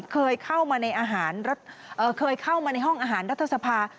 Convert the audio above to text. เคยเข้ามาในห้องอาหารรัฐสภา